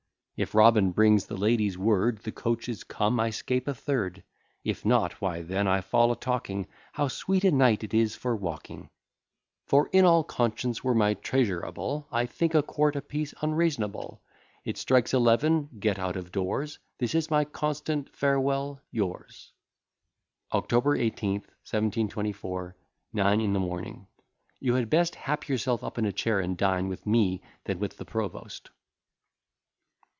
If Robin brings the ladies word, The coach is come, I 'scape a third; If not, why then I fall a talking How sweet a night it is for walking; For in all conscience, were my treasure able, I'd think a quart a piece unreasonable; It strikes eleven, get out of doors. This is my constant farewell Yours, J. S. October 18, 1724, nine in the morning. You had best hap yourself up in a chair, and dine with me than with the provost.